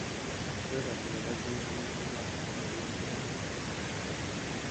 Bwebatyo ne baziŋŋamizibwa mu byenkulaakulana.